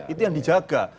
itu yang dijaga